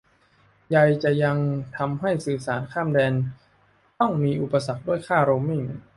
ใยจะยังทำให้สื่อสารข้ามแดนต้องมีอุปสรรคด้วยค่าโรมมิ่ง